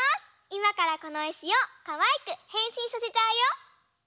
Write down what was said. いまからこのいしをかわいくへんしんさせちゃうよ！